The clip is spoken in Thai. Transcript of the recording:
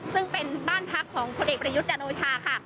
ซึ่งเป็นบ้านพักของคนเอกประยุทธ์จันโอชาค่ะ